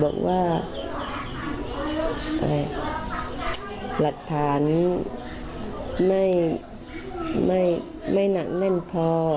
บอกว่าอะไรหลักฐานไม่ไม่ไม่หนักแน่นพอ